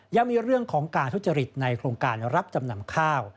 ยังมีเรื่องของการทุจริตในโครงการรับจำนำข้าว